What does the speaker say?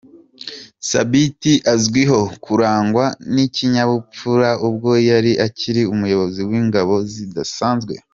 Sabiti azwiho kurangwa n’ikinyabupfura, ubwo yari akiri umuyobozi w’ingabo zidasanzwe.